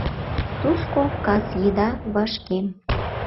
Тушко кас еда вашкем.